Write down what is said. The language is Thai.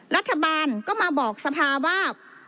รัฐบาลก็มาบอกสภาว่า